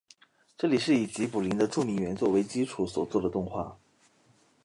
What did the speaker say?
这是以吉卜林的著名原作为基础所做的动画。